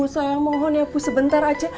saya mohon ya bu sebentar aja